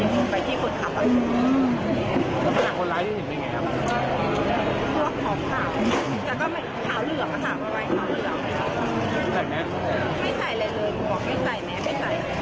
ของขาวแต่ก็ไม่ขาวเหลือค่ะขาวเหลือ